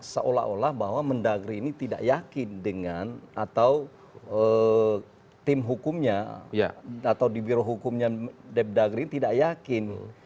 seolah olah bahwa mendagri ini tidak yakin dengan atau tim hukumnya atau di biro hukumnya depdagri tidak yakin